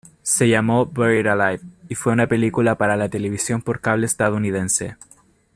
Se llamó "Buried Alive" y fue una película para la televisión por cable estadounidense.